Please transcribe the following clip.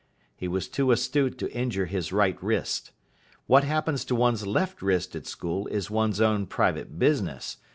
He was too astute to injure his right wrist. What happens to one's left wrist at school is one's own private business.